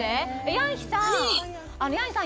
ヤンヒィさん